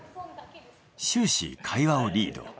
終始会話をリード。